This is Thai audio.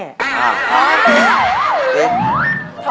อ๋อเจ๊